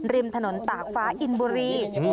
ริมถนนตากฟ้าอินบุรี